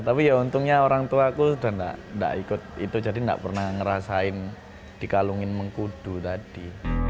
tapi ya untungnya orang tuaku sudah gak ikut itu jadi gak pernah ngerasain dikalungin mengkudu tadi